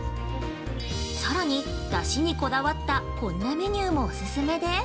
さらにだしにこだわったこんなメニューもオススメで。